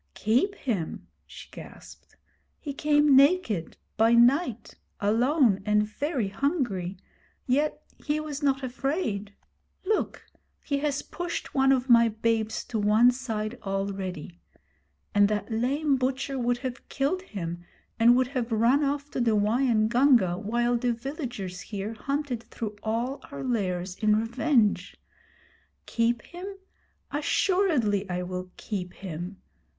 'Keep him!' she gasped. 'He came naked, by night, alone and very hungry; yet he was not afraid! Look, he has pushed one of my babes to one side already. And that lame butcher would have killed him and would have run off to the Waingunga while the villagers here hunted through all our lairs in revenge! Keep him? Assuredly I will keep him.